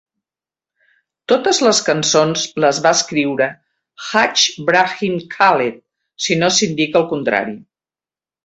Totes les cançons les va escriure Hadj Brahim Khaled, si no s'indica el contrari.